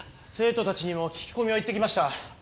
生徒たちにも聞き込みは行ってきました。